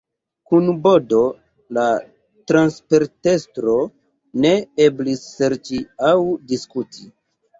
Kun Bodo, la transportestro, ne eblis ŝerci aŭ diskuti.